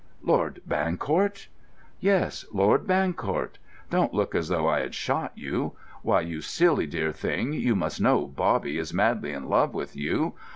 "Lord Bancourt?" "Yes, 'Lord Bancourt'! Don't look as though I had shot you! Why, you silly dear thing, you must know Bobby is madly in love with you.